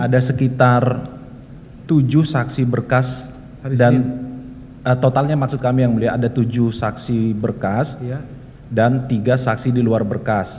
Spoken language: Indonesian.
ada sekitar tujuh saksi berkas dan totalnya maksud kami yang mulia ada tujuh saksi berkas dan tiga saksi di luar berkas